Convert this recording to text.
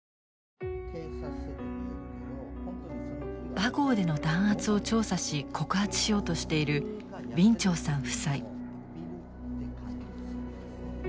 バゴーでの弾圧を調査し告発しようとしているウィン・チョウさん夫妻。